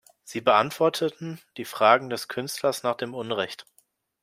Sie beantworteten die Frage des Künstlers nach dem Unrecht.